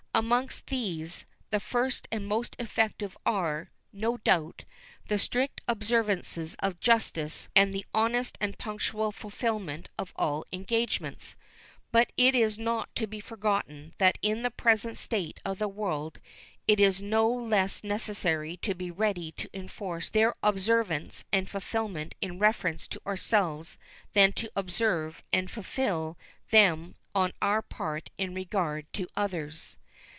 Amongst these, the first and most effective are, no doubt, the strict observance of justice and the honest and punctual fulfillment of all engagements. But it is not to be forgotten that in the present state of the world it is no less necessary to be ready to enforce their observance and fulfillment in reference to ourselves than to observe and fulfill them on our part in regard to others.